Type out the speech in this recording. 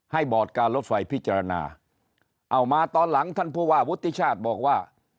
บอร์ดการรถไฟพิจารณาเอามาตอนหลังท่านผู้ว่าวุฒิชาติบอกว่า